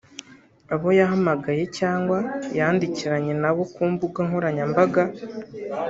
abo yahamagaye cyangwa yandikiranye nabo ku mbuga nkoranyambaga